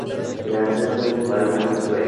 Kingpin lanzó su único álbum sueco.